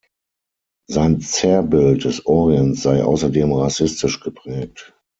Sein Zerrbild des Orients sei außerdem rassistisch geprägt.